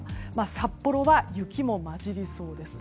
札幌は雪も交じりそうです。